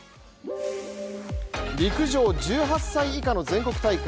陸上、１８歳以下の全国大会